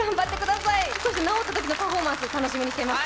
そして治ったときのパフォーマンス、楽しみにしています。